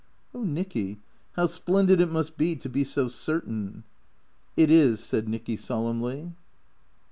" Oh, Nicky, how splendid it must be to be so certain." " It is," said Nicky solemnly.